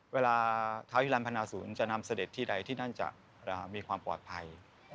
เวลาท้าฮิรันพนาศูนย์จะนำเสด็จที่ใดที่นั่นจะมีความปลอดภัย